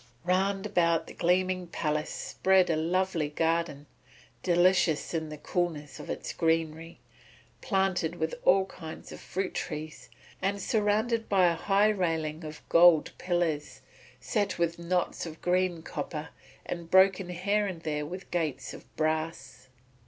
Round about the gleaming palace spread a lovely garden, delicious in the coolness of its greenery, planted with all kinds of fruit trees, and surrounded by a high railing of gold pillars, set with knots of green copper and broken here and there with gates of brass.